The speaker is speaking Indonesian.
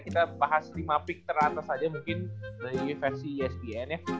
kita bahas lima pick teratas aja mungkin dari versi espn ya